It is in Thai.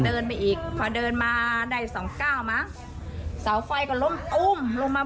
เดินไปอีกพอเดินมาได้สองเก้ามั้งเสาไฟก็ล้มอุ้มลงมา